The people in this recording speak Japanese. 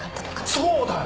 そうだよ。